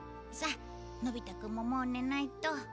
さあのび太くんももう寝ないと。